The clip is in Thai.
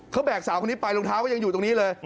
เขาแบกสาวคนนี้ไปรองเท้าก็ยังอยู่ตรงนี้เลย